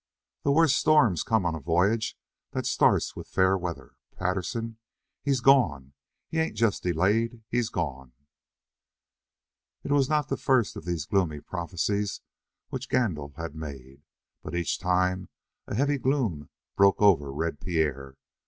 "The worst storms come on a voyage that starts with fair weather. Patterson? He's gone; he ain't just delayed; he's gone." It was not the first of these gloomy prophecies which Gandil had made, but each time a heavy gloom broke over Red Pierre.